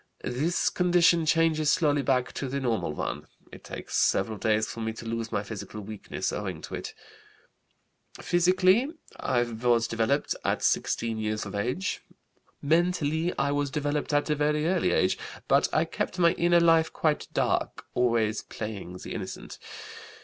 This condition changes slowly back to the normal one. It takes several days for me to lose my physical weakness owing to it. "Physically I was developed at 16 years of age. Mentally I was developed at a very early age, but I kept my inner life quite dark, always playing the innocent.